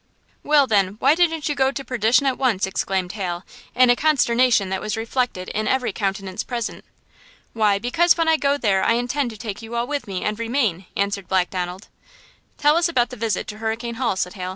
"Well, then, why didn't you go to perdition at once?" exclaimed Hal, in a consternation that was reflected in every countenance present. "Why, because when I go there I intend to take you all with me and remain!" answered Black Donald. "Tell us about the visit to Hurricane Hall," said Hal.